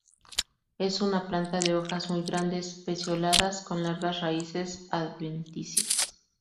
Es una planta de hojas muy grandes, pecioladas, con largas raíces adventicias.